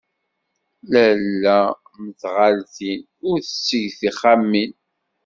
Lalla mm tɣaltin, ur tettegg tixxamin.